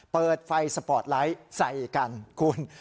เปิดไฟสปอร์ตไลท์ใส่กันคุณ